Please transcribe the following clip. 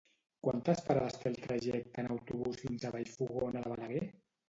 Quantes parades té el trajecte en autobús fins a Vallfogona de Balaguer?